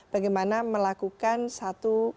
bagaimana melakukan satu